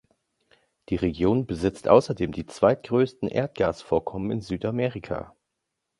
Die Region besitzt außerdem die zweitgrößten Erdgasvorkommen in Südamerika.